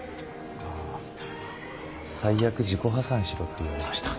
あ最悪自己破産しろって言われました。